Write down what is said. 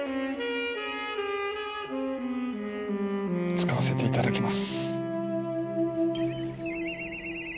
使わせていただきます